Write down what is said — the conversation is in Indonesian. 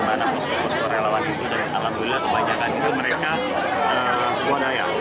karena posko posko relawan itu dari alam wilayah kebanyakan itu mereka suara daya